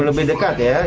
lebih dekat ya